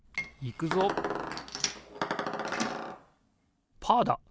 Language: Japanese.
いくぞパーだ！